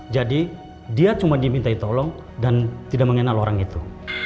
jadi dia cuma dimintai tolong dan tidak mengenal orang itu